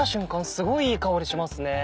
すごいいい香りしますね。